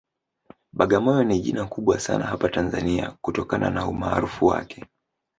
Bagamoyo ni jina kubwa sana hapa Tanzania kutokana na umaarufu wake